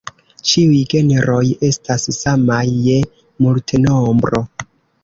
Ĉiuj genroj estas samaj je multenombro.